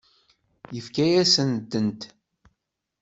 Yefka-yasent-tent.